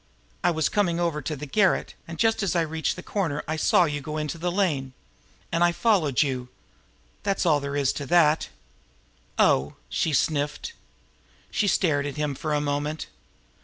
I was coming over to the garret, and just as I reached the corner I saw you go into the lane. I followed you; that's all there is to that." "Oh!" she sniffed. She stared at him for a moment.